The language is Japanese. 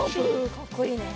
かっこいいね。